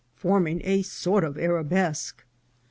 forming a sort of arabesque.